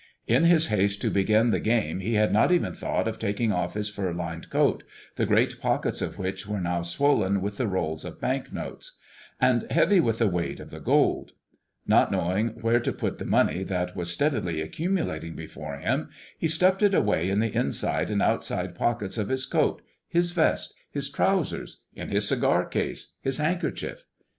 In his haste to begin the game he had not even thought of taking off his fur lined coat, the great pockets of which were now swollen with the rolls of bank notes, and heavy with the weight of the gold. Not knowing where to put the money that was steadily accumulating before him, he stuffed it away in the inside and outside pockets of his coat, his vest, his trousers, in his cigar case, his handkerchief.